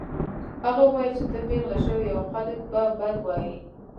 هغه وویل چې ته پیغله شوې يې او خلک به بد وايي